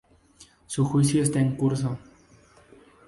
Su juicio está en curso.